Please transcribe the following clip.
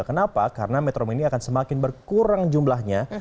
kenapa karena metro mini akan semakin berkurang jumlahnya